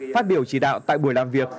phát biểu chỉ đạo tại buổi làm việc